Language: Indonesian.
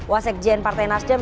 wasek jien partai nasdem